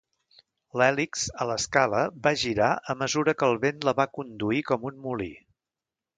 L'hèlix a l'escala va girar a mesura que el vent la va conduir com un molí.